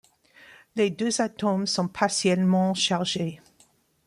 Les deux atomes sont partiellement chargés.